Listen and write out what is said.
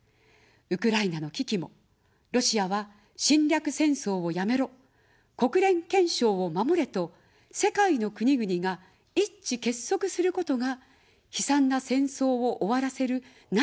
ウクライナの危機も「ロシアは侵略戦争をやめろ」、「国連憲章を守れ」と世界の国々が一致結束することが、悲惨な戦争を終わらせる何よりの力です。